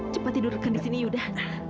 cepat tidurkan di sini yaudah